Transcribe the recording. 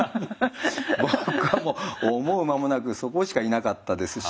僕はもう思う間もなくそこしかいなかったですしね。